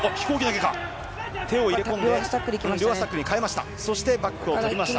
手を入れこんで両足タックルに変えました。